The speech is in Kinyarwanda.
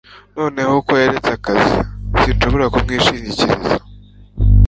noneho ko yaretse akazi, sinshobora kumwishingikiriza